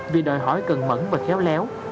vì đòi hỏi cần mẫn và khéo léo